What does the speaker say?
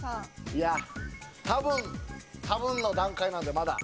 いや多分多分の段階なんでまだ。